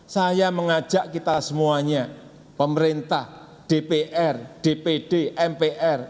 saya mengajak kita semuanya pemerintah dpr dpd mpr